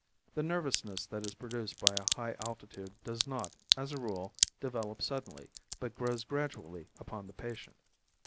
The nervousness that is produced by a high altitude does not, as a rule, develop suddenly, but grows gradually upon the patient.